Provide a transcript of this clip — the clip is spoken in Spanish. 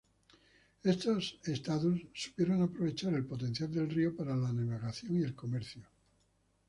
Estos estados supieron aprovechar el potencial del río para la navegación y el comercio.